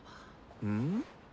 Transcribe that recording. うん？